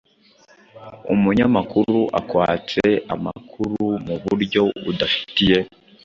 Umunyamakuru akwatse amakuru mu buryo udafitiye